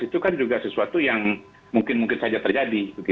itu kan juga sesuatu yang mungkin mungkin saja terjadi